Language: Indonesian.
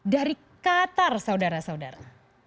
dari qatar saudara saudara